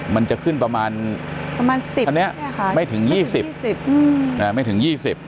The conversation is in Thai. มันจะขึ้นประมาณ๑๐ไม่ถึง๒๐